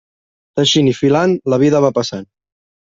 Teixint i filant, la vida va passant.